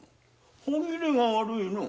歯切れが悪いのう。